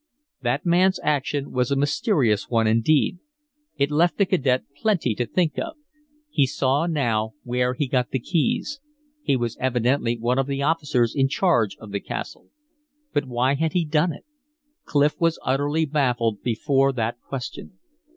That man's action was a mysterious one indeed. It left the cadet plenty to think of. He saw now where he got the keys. He was evidently one of the officers in charge of the castle. But why had he done it? Clif was utterly baffled before that question.